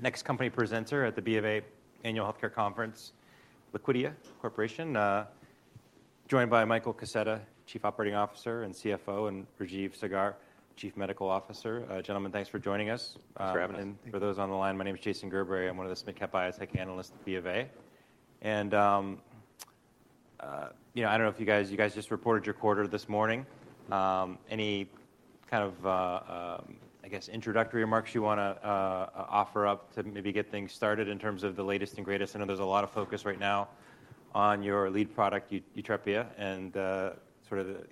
Next company presenter at the BofA Annual Healthcare Conference, Liquidia Corporation, joined by Michael Kaseta, Chief Operating Officer and CFO, and Rajeev Saggar, Chief Medical Officer. Gentlemen, thanks for joining us. Thanks for having us. And for those on the line, my name is Jason Gerberry. I'm one of the healthcare biotech analysts at BofA. And, you know, I don't know if you guys, you guys just reported your quarter this morning. Any introductory remarks you wanna offer up to maybe get things started in terms of the latest and greatest? I know there's a lot of focus right now on your lead product, Yutrepia, and the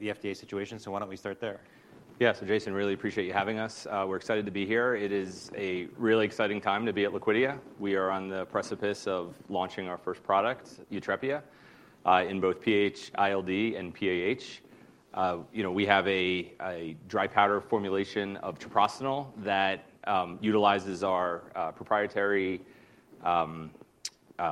FDA situation, so why don't we start there? So Jason, really appreciate you having us. We're excited to be here. It is a really exciting time to be at Liquidia. We are on the precipice of launching our first product, Yutrepia, in both PH-ILD and PAH. You know, we have a dry powder formulation of treprostinil that utilizes our proprietary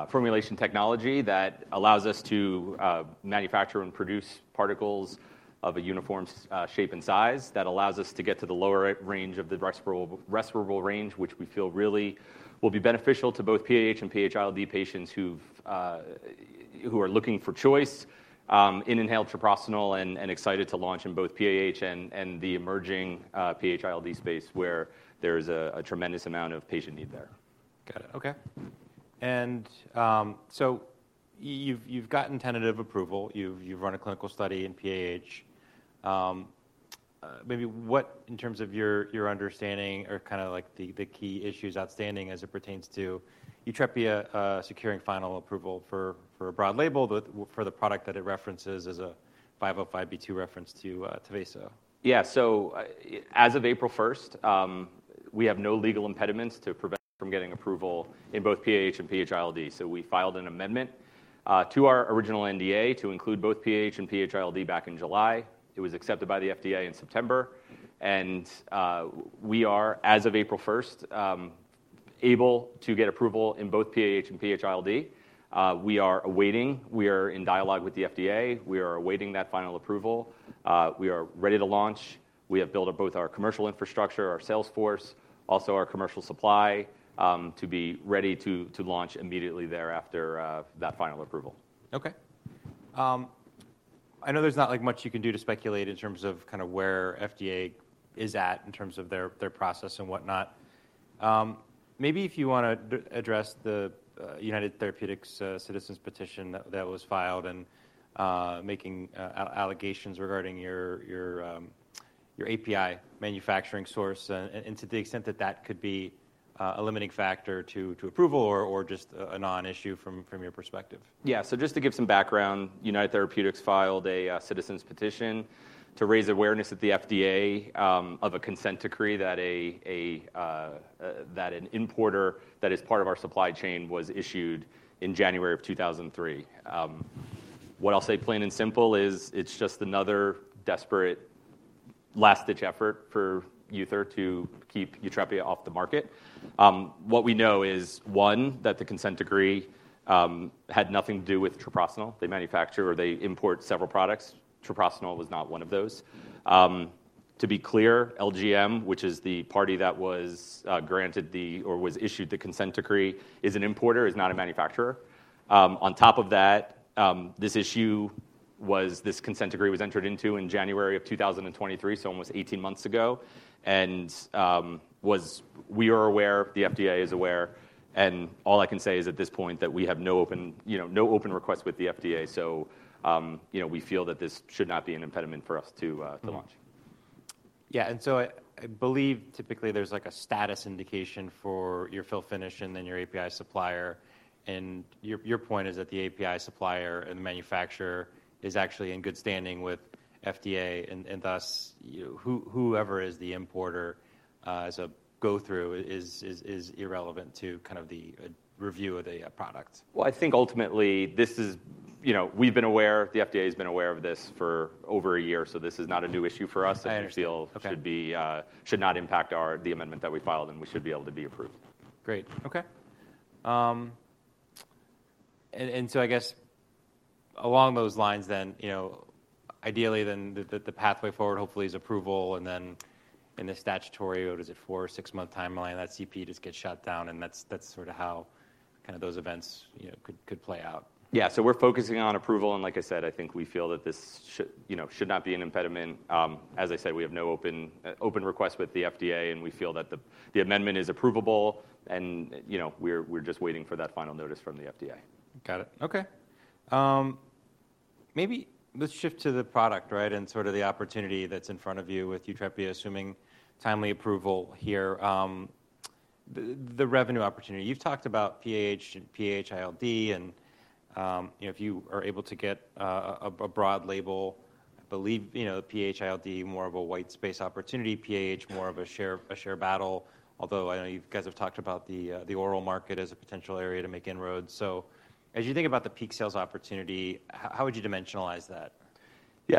formulation technology, that allows us to manufacture and produce particles of a uniform shape and size, that allows us to get to the lower range of the respirable range, which we feel really will be beneficial to both PAH and PH-ILD patients who've who are looking for choice in inhaled treprostinil. And excited to launch in both PAH and the emerging PH-ILD space, where there's a tremendous amount of patient need there. Got it. And so you've gotten tentative approval, you've run a clinical study in PAH. Maybe what, in terms of your understanding or kinda like the key issues outstanding as it pertains to Yutrepia, securing final approval for a broad label, but for the product that it references as a 505(b)(2) reference to Tyvaso? As of April 1st, we have no legal impediments to prevent from getting approval in both PAH and PH-ILD. So we filed an amendment to our original NDA to include both PAH and PH-ILD back in July. It was accepted by the FDA in September, and we are, as of April 1st, able to get approval in both PAH and PH-ILD. We are awaiting. We are in dialogue with the FDA. We are awaiting that final approval. We are ready to launch. We have built up both our commercial infrastructure, our sales force, also our commercial supply, to be ready to launch immediately thereafter, that final approval. I know there's not, like, much you can do to speculate in terms of kinda where FDA is at, in terms of their, their process and whatnot. Maybe if you wanna address the United Therapeutics Citizens Petition that was filed, and making allegations regarding your, your, your API manufacturing source, and to the extent that that could be a limiting factor to approval, or just a non-issue from your perspective. So just to give some background, United Therapeutics filed a citizens petition to raise awareness at the FDA of a consent decree that an importer that is part of our supply chain was issued in January of 2023. What I'll say, plain and simple, is it's just another desperate last-ditch effort for UTHR to keep Yutrepia off the market. What we know is, one, that the consent decree had nothing to do with treprostinil. They manufacture or they import several products. Treprostinil was not one of those. To be clear, LGM, which is the party that was granted the... or was issued the consent decree, is an importer, is not a manufacturer. On top of that, this consent decree was entered into in January of 2023, so almost 18 months ago. We are aware, the FDA is aware, and all I can say is, at this point, that we have no open, you know, no open request with the FDA, so, you know, we feel that this should not be an impediment for us to, to launch. And so I believe typically there's, like, a status indication for your fill finish and then your API supplier. And your point is that the API supplier and the manufacturer is actually in good standing with FDA, and thus, you, whoever is the importer, as a go-through is irrelevant to the review of the product? Well, I think ultimately this is, you know, we've been aware, the FDA has been aware of this for over a year, so this is not a new issue for us. I understand. and we feel it should be should not impact our, the amendment that we filed, and we should be able to be approved. Great. And so I guess along those lines, then, you know, ideally, then, the pathway forward, hopefully, is approval, and then in the statutory, what is it, 4- to 6-month timeline, that CP just gets shut down, and that's how those events could play out. So we're focusing on approval, and like I said, I think we feel that this should, you know, not be an impediment. As I said, we have no open requests with the FDA, and we feel that the amendment is approvable, and, you know, we're just waiting for that final notice from the FDA. Got it. Maybe let's shift to the product, right, and the opportunity that's in front of you with Yutrepia, assuming timely approval here. The revenue opportunity. You've talked about PAH and PH-ILD and, you know, if you are able to get a broad label, I believe, you know, PH-ILD more of a white space opportunity, PAH more of a share, a share battle, although I know you guys have talked about the oral market as a potential area to make inroads. So as you think about the peak sales opportunity, how would you dimensionalize that?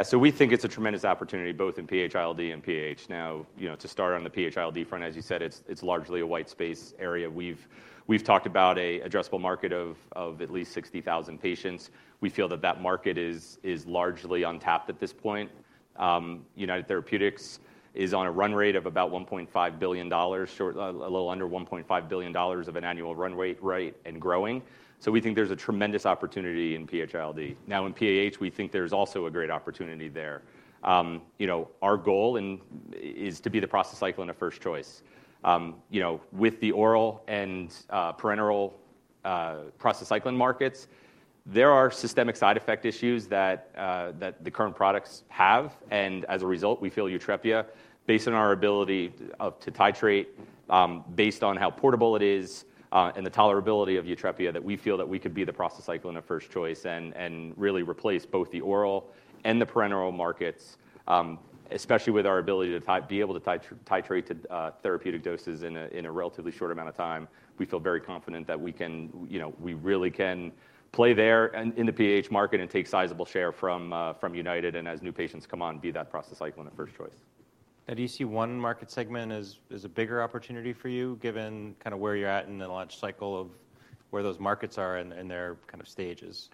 So we think it's a tremendous opportunity both in PH-ILD and PAH. Now, you know, to start on the PH-ILD front, as you said, it's largely a white space area. We've talked about an addressable market of at least 60,000 patients. We feel that that market is largely untapped at this point. United Therapeutics is on a run rate of about $1.5 billion, a little under $1.5 billion of an annual run rate, right, and growing. So we think there's a tremendous opportunity in PH-ILD. Now, in PAH, we think there's also a great opportunity there. You know, our goal is to be the prostacyclin of first choice. You know, with the oral and parenteral prostacyclin markets, there are systemic side effect issues that the current products have, and as a result, we feel Yutrepia, based on our ability to titrate, based on how portable it is, and the tolerability of Yutrepia, that we feel that we could be the prostacyclin of first choice and really replace both the oral and the parenteral markets. Especially with our ability to titrate to therapeutic doses in a relatively short amount of time, we feel very confident that we can... you know, we really can play there in the PAH market and take sizable share from United, and as new patients come on, be that prostacyclin of first choice. Do you see one market segment as, as a bigger opportunity for you, given where you're at in the launch cycle of where those markets are and, and their stages?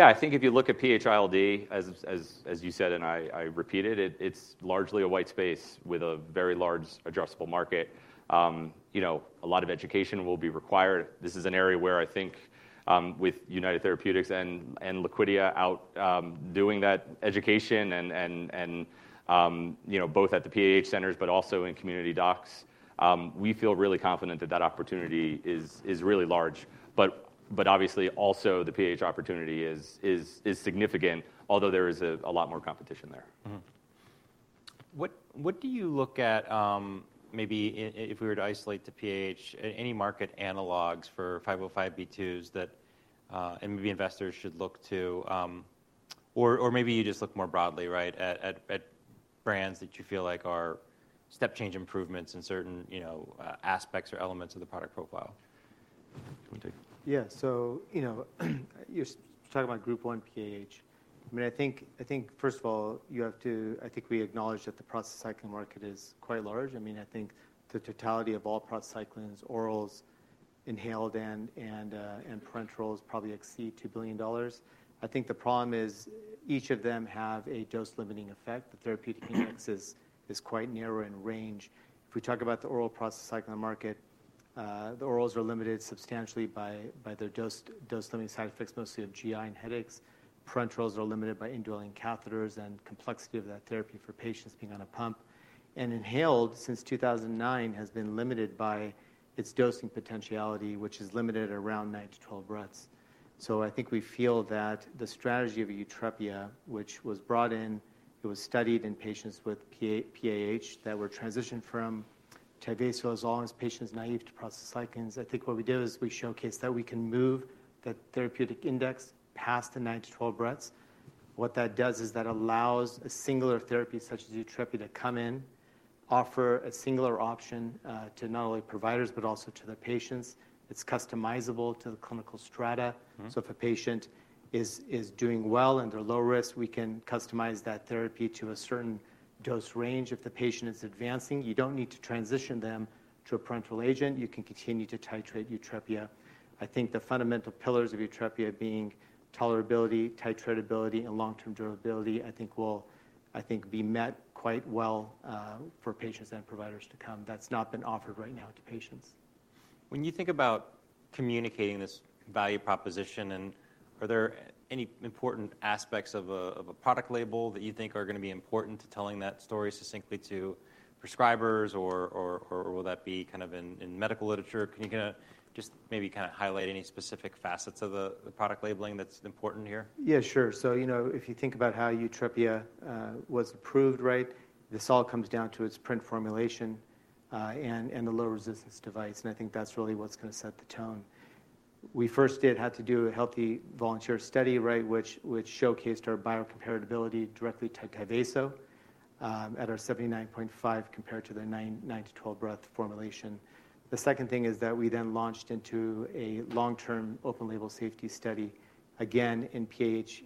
I think if you look at PH-ILD, as you said, and I repeat it, it's largely a white space with a very large addressable market. You know, a lot of education will be required. This is an area where I think, with United Therapeutics and you know, both at the PAH centers but also in community docs, we feel really confident that that opportunity is really large. But obviously, also the PAH opportunity is significant, although there is a lot more competition there. What do you look at, maybe if we were to isolate to PAH, any market analogs for 505(b)(2)s that maybe investors should look to? Or maybe you just look more broadly, right, at brands that you feel like are step-change improvements in certain, you know, aspects or elements of the product profile. You want to take it? You're talking about Group 1 PAH. I mean, I think, first of all, you have to I think we acknowledge that the prostacyclin market is quite large. I mean, I think the totality of all prostacyclin orals, inhaled and parenterals probably exceed $2 billion. I think the problem is each of them have a dose-limiting effect. The therapeutic index is quite narrow in range. If we talk about the oral prostacyclin market, the orals are limited substantially by their dose-limiting side effects, mostly of GI and headaches. Parenterals are limited by indwelling catheters and complexity of that therapy for patients being on a pump. And inhaled, since 2009, has been limited by its dosing potentiality, which is limited at around 9-12 breaths. So I think we feel that the strategy of Yutrepia, which was brought in, it was studied in patients with PAH that were transitioned from Tyvaso as long as patients naive to prostacyclin. I think what we did is we showcased that we can move that therapeutic index past the 9-12 breaths. What that does is that allows a singular therapy, such as Yutrepia, to come in, offer a singular option, to not only providers but also to the patients. It's customizable to the clinical strata. So if a patient is doing well and they're low risk, we can customize that therapy to a certain dose range. If the patient is advancing, you don't need to transition them to a parenteral agent, you can continue to titrate Yutrepia. I think the fundamental pillars of Yutrepia being tolerability, titratability, and long-term durability, I think, will, I think, be met quite well for patients and providers to come. That's not been offered right now to patients. When you think about communicating this value proposition, and are there any important aspects of a product label that you think are gonna be important to telling that story succinctly to prescribers or will that be in medical literature? Can you kinda just maybe kinda highlight any specific facets of the product labeling that's important here? So, you know, if you think about how Yutrepia was approved, right? This all comes down to its PRINT formulation and the low resistance device, and I think that's really what's gonna set the tone. We first had to do a healthy volunteer study, right, which showcased our biocompatibility directly to Tyvaso at our 79.5, compared to their 9-12 breath formulation. The second thing is that we then launched into a long-term, open-label safety study, again, in PH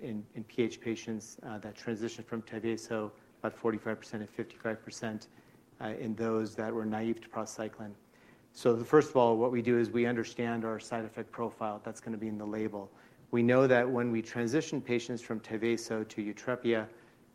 patients that transitioned from Tyvaso, about 45% and 55% in those that were naive to prostacyclin. So the first of all, what we do is we understand our side effect profile that's gonna be in the label. We know that when we transition patients from Tyvaso to Yutrepia,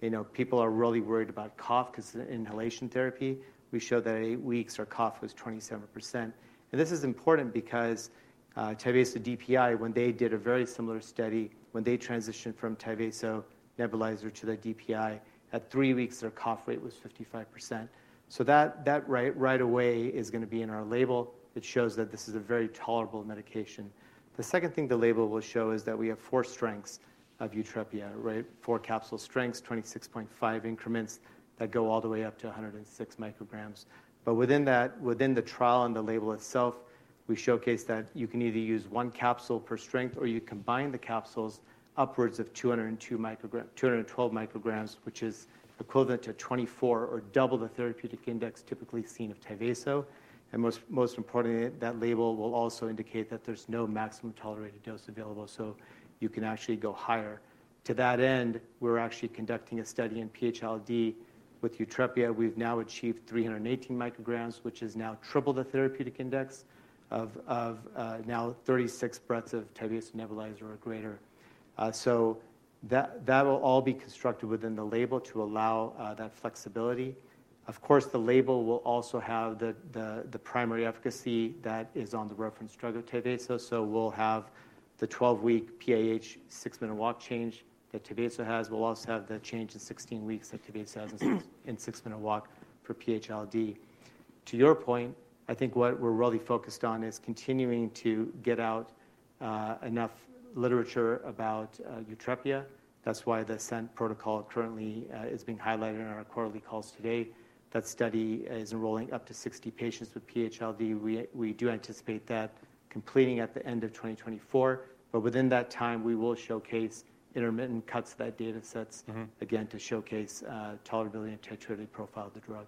you know, people are really worried about cough 'cause inhalation therapy. We show that at eight weeks, our cough was 27%. And this is important because Tyvaso DPI, when they did a very similar study, when they transitioned from Tyvaso nebulizer to their DPI, at three weeks, their cough rate was 55%. So that right away is gonna be in our label. It shows that this is a very tolerable medication. The second thing the label will show is that we have four strengths of Yutrepia, right? Four capsule strengths, 26.5 microgram increments that go all the way up to 106 micrograms. But within that, within the trial and the label itself, we showcase that you can either use one capsule per strength or you combine the capsules upwards of 202 microgram- 212 micrograms, which is equivalent to 24 or double the therapeutic index typically seen of Tyvaso. And most, most importantly, that label will also indicate that there's no maximum tolerated dose available, so you can actually go higher. To that end, we're actually conducting a study in PH-ILD. With Yutrepia, we've now achieved 318 micrograms, which is now triple the therapeutic index of, of, now 36 breaths of Tyvaso nebulizer or greater. So that, that will all be constructed within the label to allow, that flexibility. Of course, the label will also have the, the, the primary efficacy that is on the reference drug of Tyvaso. So we'll have the 12-week PAH 6-minute walk change that Tyvaso has. We'll also have the change in 16 weeks that Tyvaso has in six, in 6-minute walk for PH-ILD. To your point, I think what we're really focused on is continuing to get out, enough literature about, Yutrepia. That's why the ASCENT protocol currently, is being highlighted in our quarterly calls today. That study is enrolling up to 60 patients with PH-ILD. We do anticipate that completing at the end of 2024, but within that time, we will showcase intermittent cuts to that data sets again, to showcase tolerability and titration profile of the drug.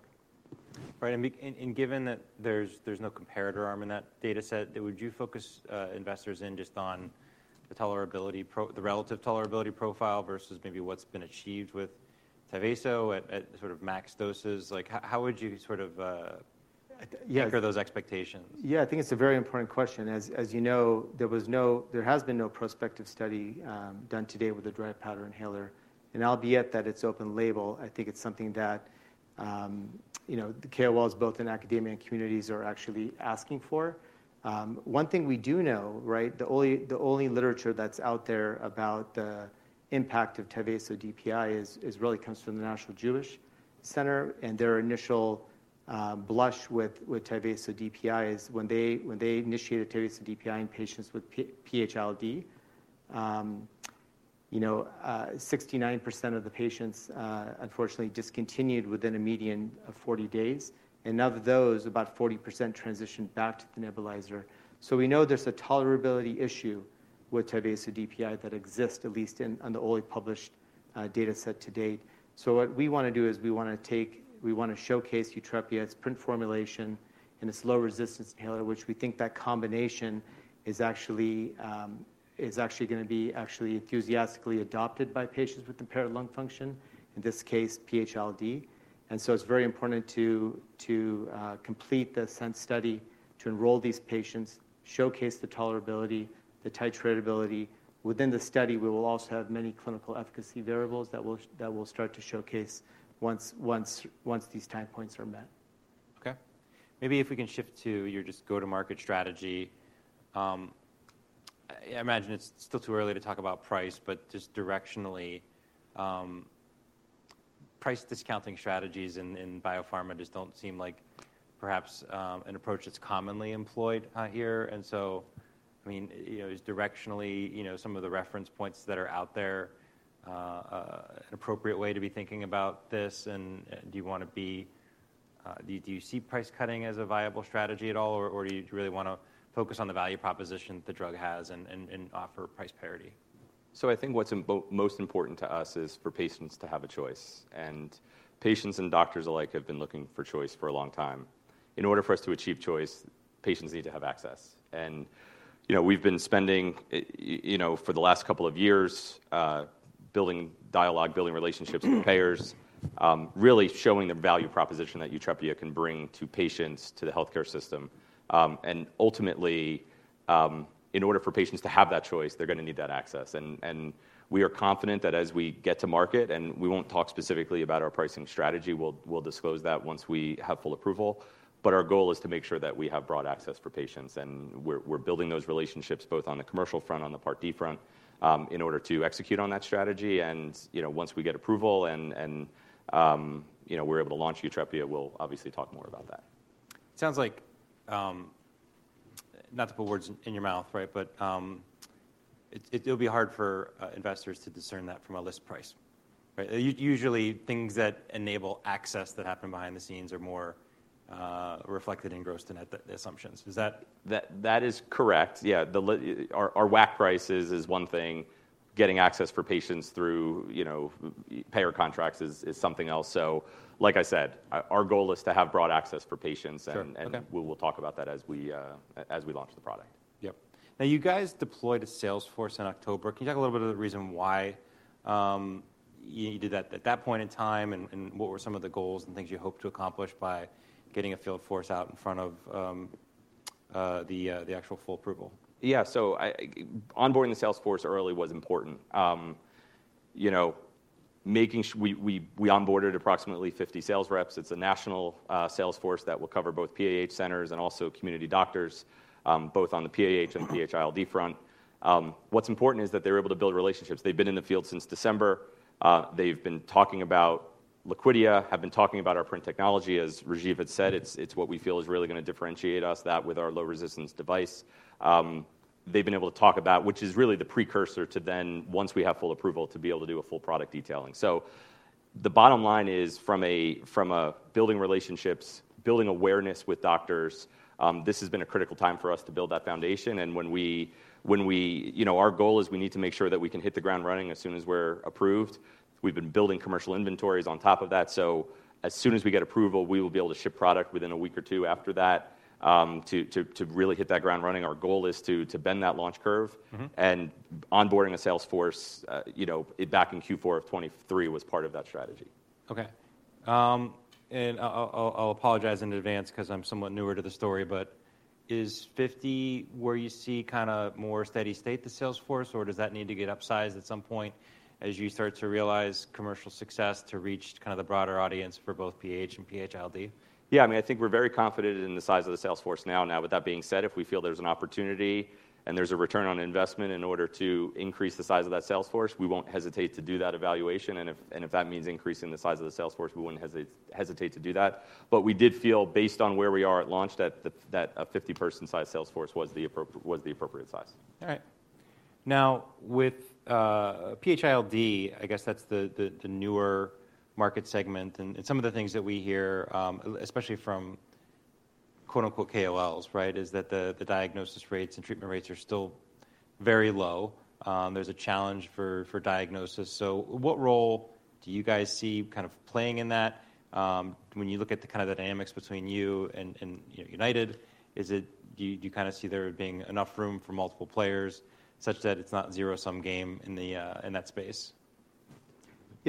Right, and given that there's no comparator arm in that data set, would you focus investors in just on the relative tolerability profile versus maybe what's been achieved with Tyvaso at max doses? Like, how would you lear those expectations? I think it's a very important question. As you know, there has been no prospective study done today with the dry powder inhaler, and albeit that it's open label, I think it's something that, you know, the KOLs, both in academia and communities, are actually asking for. One thing we do know, right, the only literature that's out there about the impact of Tyvaso DPI really comes from the National Jewish Center, and their initial blush with Tyvaso DPI is when they initiated Tyvaso DPI in patients with PH-ILD, you know, 69% of the patients unfortunately discontinued within a median of 40 days, and of those, about 40% transitioned back to the nebulizer. So we know there's a tolerability issue with Tyvaso DPI that exists at least in, on the only published data set to date. So what we wanna do is we wanna showcase Yutrepia's PRINT formulation and its low resistance inhaler, which we think that combination is actually gonna be actually enthusiastically adopted by patients with impaired lung function, in this case, PH-ILD. And so it's very important to complete the ASCENT study to enroll these patients, showcase the tolerability, the titratability. Within the study, we will also have many clinical efficacy variables that will start to showcase once these time points are met. Maybe if we can shift to your just go-to-market strategy. I imagine it's still too early to talk about price, but just directionally, price discounting strategies in biopharma just don't seem like perhaps an approach that's commonly employed here. And so, I mean, you know, is directionally, you know, some of the reference points that are out there an appropriate way to be thinking about this, and do you wanna be— do you see price cutting as a viable strategy at all, or do you really wanna focus on the value proposition that the drug has and offer price parity? So I think what's most important to us is for patients to have a choice, and patients and doctors alike have been looking for choice for a long time. In order for us to achieve choice, patients need to have access. And, you know, we've been spending, you know, for the last couple of years, building dialogue, building relationships with payers, really showing the value proposition that Yutrepia can bring to patients, to the healthcare system. And ultimately, in order for patients to have that choice, they're gonna need that access. We are confident that as we get to market, and we won't talk specifically about our pricing strategy, we'll disclose that once we have full approval, but our goal is to make sure that we have broad access for patients, and we're building those relationships both on the commercial front, on the Part D front, in order to execute on that strategy. You know, once we get approval, you know, we're able to launch Yutrepia, we'll obviously talk more about that. Sounds like, not to put words in your mouth, right, but, it'll be hard for investors to discern that from a list price, right? Usually, things that enable access that happen behind the scenes are more reflected in gross to net assumptions. Is that- That, that is correct. Our WAC price is, is one thing. Getting access for patients through, you know, payer contracts is, is something else. So like I said, our goal is to have broad access for patients-and we will talk about that as we launch the product. Yep. Now, you guys deployed a sales force in October. Can you talk a little bit about the reason why you did that at that point in time, and what were some of the goals and things you hoped to accomplish by getting a field force out in front of the actual full approval? So, onboarding the sales force early was important. You know, making sure we onboarded approximately 50 sales reps. It's a national sales force that will cover both PAH centers and also community doctors, both on the PAH and the PH-ILD front. What's important is that they're able to build relationships. They've been in the field since December. They've been talking about Liquidia, have been talking about our PRINT technology. As Rajeev had said, it's what we feel is really gonna differentiate us, that with our low resistance device. They've been able to talk about, which is really the precursor to then, once we have full approval, to be able to do a full product detailing. So the bottom line is, from a building relationships, building awareness with doctors, this has been a critical time for us to build that foundation. And when we you know, our goal is we need to make sure that we can hit the ground running as soon as we're approved. We've been building commercial inventories on top of that, so as soon as we get approval, we will be able to ship product within a week or two after that to really hit that ground running. Our goal is to bend that launch curve.nd onboarding a sales force, you know, back in Q4 of 2023 was part of that strategy. And I'll apologize in advance 'cause I'm somewhat newer to the story, but is 50 where you see kinda more steady state, the sales force, or does that need to get upsized at some point as you start to realize commercial success to reach the broader audience for both PAH and PHLD? I think we're very confident in the size of the sales force now. Now, with that being said, if we feel there's an opportunity and there's a return on investment in order to increase the size of that sales force, we won't hesitate to do that evaluation. And if, and if that means increasing the size of the sales force, we wouldn't hesitate to do that. But we did feel, based on where we are at launch, that the, that a 50-person size sales force was the appropriate size. All right. Now, with PH-ILD, I guess that's the newer market segment and some of the things that we hear, especially from, quote, unquote, "KOLs," right? Is that the diagnosis rates and treatment rates are still very low. There's a challenge for diagnosis. So what role do you guys see playing in that? When you look at the dynamics between you and you know, United, is it do you kinda see there being enough room for multiple players such that it's not zero-sum game in that space?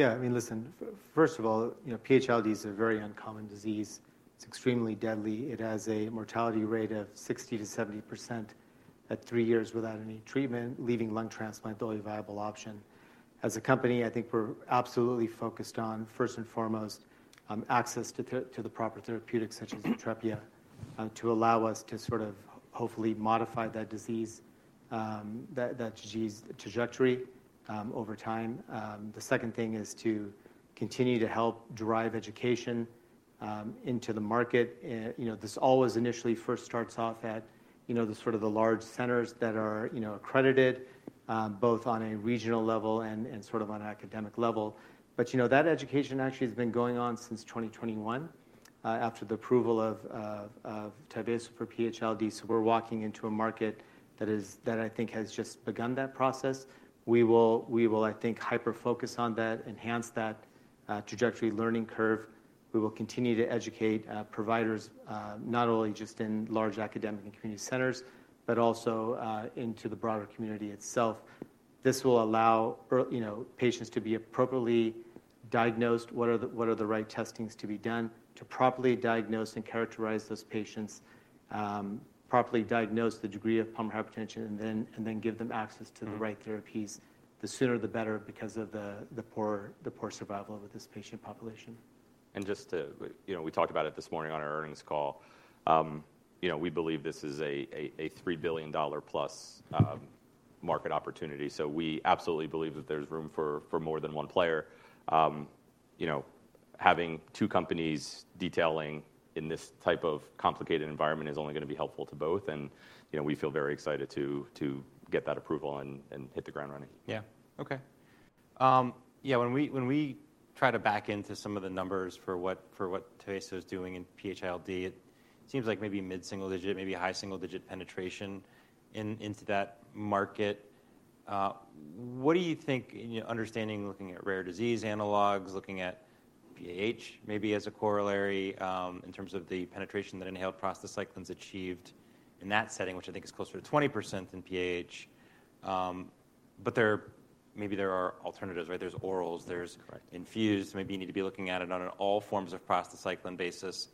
I mean, listen, first of all, you know, PH-ILD is a very uncommon disease. It's extremely deadly. It has a mortality rate of 60%-70% at three years without any treatment, leaving lung transplant the only viable option. As a company, I think we're absolutely focused on, first and foremost, access to the proper therapeutics, such as Yutrepia, to allow us to hopefully modify that disease, that disease trajectory, over time. The second thing is to continue to help drive education into the market. You know, this always initially first starts off at, you know, the large centers that are, you know, accredited, both on a regional level and, and on an academic level. But, you know, that education actually has been going on since 2021, after the approval of, of Tyvaso for PH-ILD. So we're walking into a market that is, that I think has just begun that process. We will, we will, I think, hyper-focus on that, enhance that, trajectory learning curve. We will continue to educate, providers, not only just in large academic and community centers, but also, into the broader community itself. This will allow you know, patients to be appropriately diagnosed. What are the, what are the right testings to be done to properly diagnose and characterize those patients, properly diagnose the degree of pulmonary hypertension, and then, and then give them access to the right therapies. The sooner, the better, because of the, the poor, the poor survival of this patient population. And just to... You know, we talked about it this morning on our earnings call. You know, we believe this is a $3 billion-plus market opportunity, so we absolutely believe that there's room for more than one player. You know, having two companies detailing in this type of complicated environment is only gonna be helpful to both, and, you know, we feel very excited to get that approval and hit the ground running. When we try to back into some of the numbers for what Tyvaso is doing in PH-ILD, it seems like maybe mid-single digit, maybe a high single-digit penetration into that market. What do you think, you know, understanding, looking at rare disease analogues, looking at PAH maybe as a corollary, in terms of the penetration that inhaled prostacyclins achieved in that setting, which I think is closer to 20% in PAH. But maybe there are alternatives, right? There's orals, there's-infused. Maybe you need to be looking at it on an all forms of prostacyclin basis,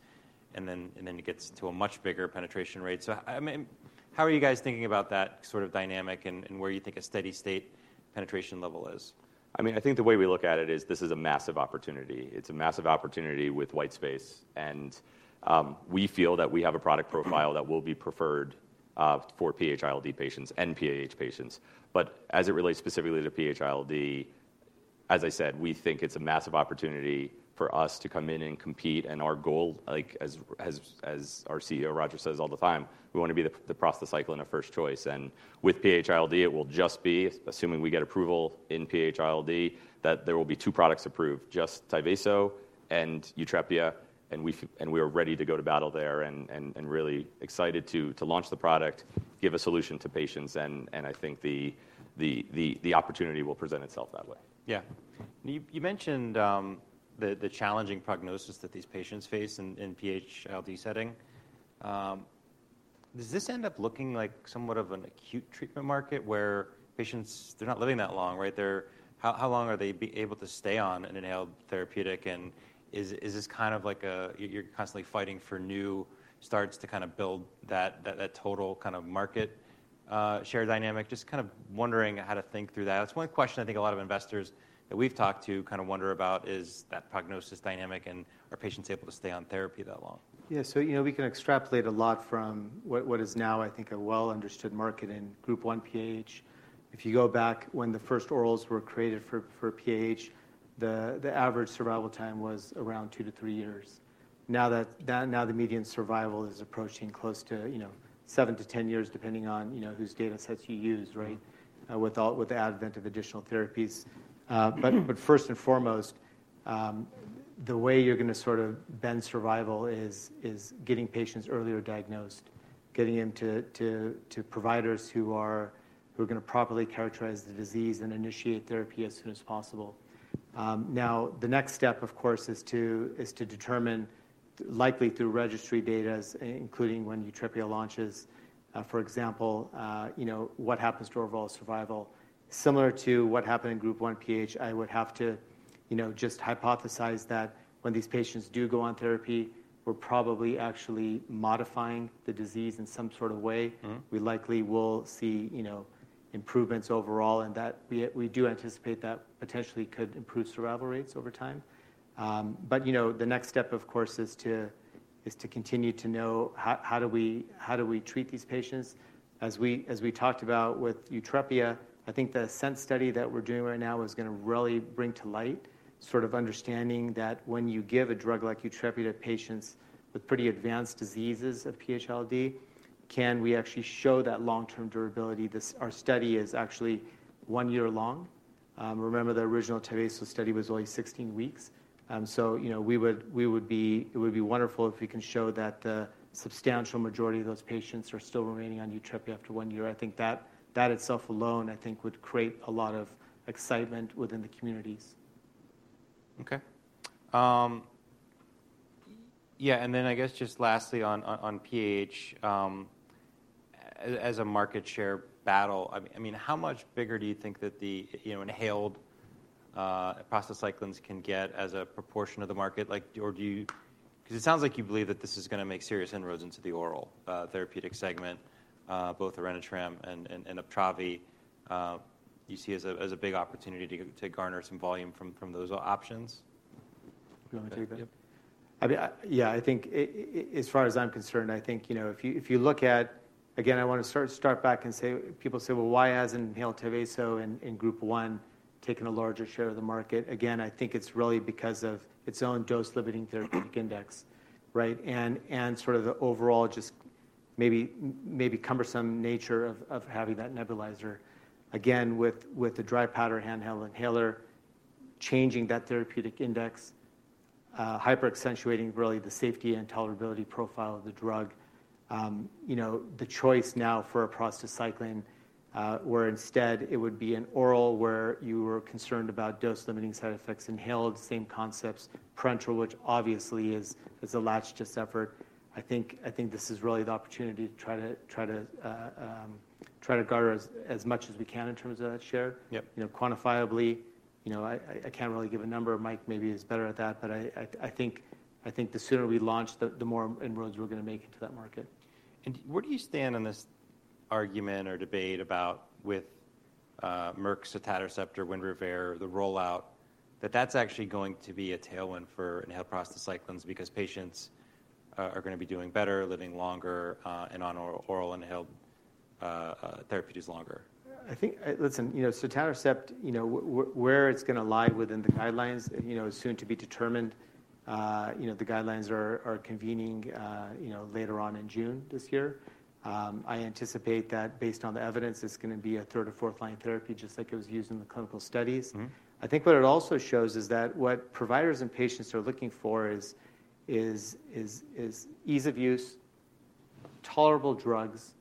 and then, and then it gets to a much bigger penetration rate. So, I, I mean, how are you guys thinking about that dynamic and, and where you think a steady state penetration level is? I mean, I think the way we look at it is this is a massive opportunity. It's a massive opportunity with white space, and we feel that we have a product profile that will be preferred for PH-ILD patients and PAH patients. But as it relates specifically to PH-ILD, as I said, we think it's a massive opportunity for us to come in and compete, and our goal, like, as our CEO, Roger, says all the time: "We wanna be the prostacyclin of first choice." And with PH-ILD, it will just be, assuming we get approval in PH-ILD, that there will be two products approved, just Tyvaso and Yutrepia, and we and we are ready to go to battle there and, and really excited to launch the product, give a solution to patients, and I think the opportunity will present itself that way. You mentioned the challenging prognosis that these patients face in the PH-ILD setting. Does this end up looking like somewhat of an acute treatment market, where patients, they're not living that long, right? They're... How long are they able to stay on an inhaled therapeutic, and is this like you're constantly fighting for new starts to kinda build that total market share dynamic? Just wondering how to think through that. It's one question I think a lot of investors that we've talked to wonder about, is that prognosis dynamic, and are patients able to stay on therapy that long? We can extrapolate a lot from what is now, I think, a well-understood market in Group 1 PH. If you go back when the first orals were created for PH, the average survival time was around 2-3 years. Now the median survival is approaching close to, you know, 7-10 years, depending on, you know, whose data sets you use, right? With the advent of additional therapies. But first and foremost, the way you're gonna bend survival is getting patients earlier diagnosed. Getting him to providers who are going to properly characterize the disease and initiate therapy as soon as possible. Now, the next step, of course, is to determine, likely through registry data, including when Yutrepia launches, for example, you know, what happens to overall survival? Similar to what happened in Group 1 PH, I would have to, you know, just hypothesize that when these patients do go on therapy, we're probably actually modifying the disease in some way. We likely will see, you know, improvements overall, and that we do anticipate that potentially could improve survival rates over time. But, you know, the next step, of course, is to continue to know how do we treat these patients? As we talked about with Yutrepia, I think the ASCENT study that we're doing right now is gonna really bring to light, understanding that when you give a drug like Yutrepia to patients with pretty advanced diseases of PH-ILD, can we actually show that long-term durability? Our study is actually 1 year long. Remember, the original Tyvaso study was only 16 weeks. So, you know, it would be wonderful if we can show that the substantial majority of those patients are still remaining on Yutrepia after 1 year. I think that, that itself alone, I think, would create a lot of excitement within the communities. And then I guess just lastly on PH, as a market share battle, I mean, how much bigger do you think that the, you know, inhaled prostacyclins can get as a proportion of the market? Like, or do you... Because it sounds like you believe that this is gonna make serious inroads into the oral therapeutic segment, both Orenitram and Uptravi. You see as a big opportunity to garner some volume from those options? You want me to take that? Yep. I think as far as I'm concerned, I think, you know, if you, if you look at... Again, I want to start back and say, people say, "Well, why hasn't inhaled Tyvaso in Group 1 taken a larger share of the market?" Again, I think it's really because of its own dose-limiting therapeutic index, right? And the overall just maybe cumbersome nature of having that nebulizer. Again, with the dry powder handheld inhaler, changing that therapeutic index, hyper accentuating really the safety and tolerability profile of the drug, you know, the choice now for a prostacyclin, where instead it would be an oral where you were concerned about dose-limiting side effects, inhaled, same concepts, parenteral, which obviously is a last ditch effort. I think this is really the opportunity to try to garner as much as we can in terms of that share. You know, quantifiably, you know, I can't really give a number. Mike maybe is better at that, but I think the sooner we launch, the more inroads we're gonna make into that market. Where do you stand on this argument or debate about, with Merck's sotatercept, Winrevair, the rollout, that that's actually going to be a tailwind for inhaled prostacyclins because patients are gonna be doing better, living longer, and on oral inhaled therapeutics longer? I think, listen, you know, sotatercept, you know, where it's gonna lie within the guidelines, you know, is soon to be determined. You know, the guidelines are convening, you know, later on in June this year. I anticipate that based on the evidence, it's gonna be a third or fourth-line therapy, just like it was used in the clinical studies. I think what it also shows is that what providers and patients are looking for is ease of use, tolerable drugs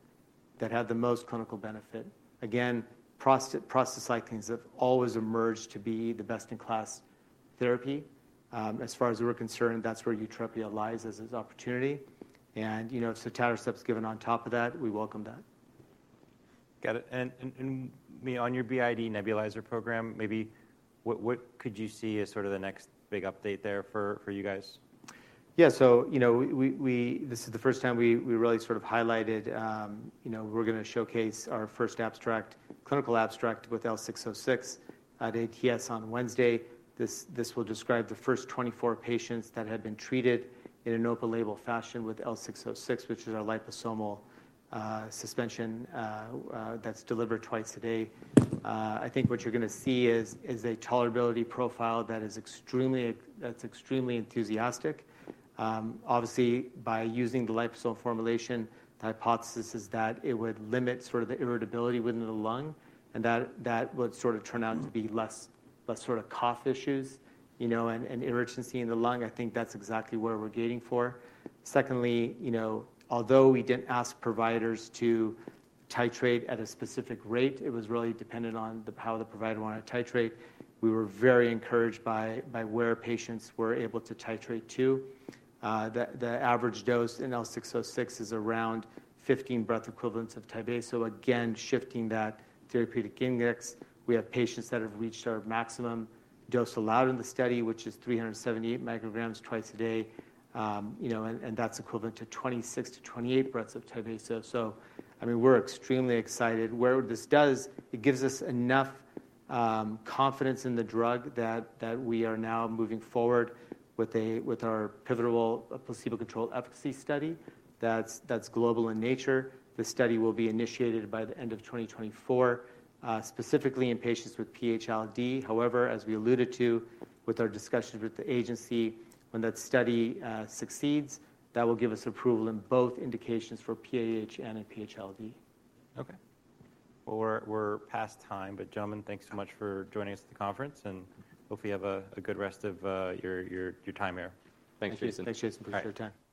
that have the most clinical benefit. Again, prostacyclins have always emerged to be the best-in-class therapy. As far as we're concerned, that's where Yutrepia lies as its opportunity. And, you know, sotatercept's given on top of that, we welcome that. Got it. And remind me on your BID nebulizer program, maybe what could you see as the next big update there for you guys? This is the first time we really highlighted, you know, we're gonna showcase our first abstract, clinical abstract with L606 at ATS on Wednesday. This will describe the first 24 patients that had been treated in an open-label fashion with L606, which is our liposomal suspension that's delivered twice a day. I think what you're gonna see is a tolerability profile that is extremely enthusiastic. Obviously, by using the liposomal formulation, the hypothesis is that it would limit the irritability within the lung, and that would turn out to be less cough issues, you know, and urgency in the lung. I think that's exactly what we're getting for. Secondly, you know, although we didn't ask providers to titrate at a specific rate, it was really dependent on the, how the provider wanted to titrate. We were very encouraged by where patients were able to titrate to. The average dose in L606 is around 15 breath equivalents of Tyvaso. So again, shifting that therapeutic index, we have patients that have reached our maximum dose allowed in the study, which is 378 micrograms twice a day. You know, and that's equivalent to 26-28 breaths of Tyvaso. So, I mean, we're extremely excited. Where this does, it gives us enough confidence in the drug that we are now moving forward with our pivotal placebo-controlled efficacy study, that's global in nature. The study will be initiated by the end of 2024, specifically in patients with PH-ILD. However, as we alluded to with our discussions with the agency, when that study succeeds, that will give us approval in both indications for PAH and PH-ILD. Okay. Well, we're past time, but, gentlemen, thanks so much for joining us at the conference, and hope you have a good rest of your time here. Thanks, Jason. Thanks, Jason. Thanks, Jason, for your time.